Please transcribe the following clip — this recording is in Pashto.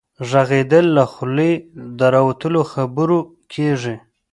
ږغيدل له خولې د راوتلو خبرو کيږي.